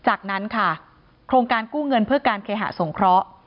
จากนั้นค่ะโครงการกู้เงินเพื่อการเคหะสงเคราะห์